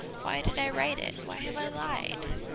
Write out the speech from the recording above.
Why did I write it? Why have I lied?"